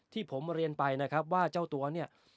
ที่ผมเรียนไปนะครับว่าเจ้าตัวเนี่ย